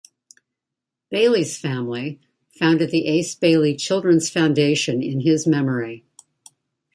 Bailey's family founded the Ace Bailey Children's Foundation in his memory.